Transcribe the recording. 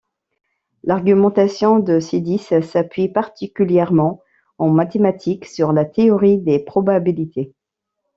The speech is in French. L'argumentation de Sidis s'appuie particulièrement en mathématiques sur la théorie des probabilités.